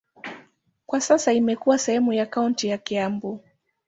Kwa sasa imekuwa sehemu ya kaunti ya Kiambu.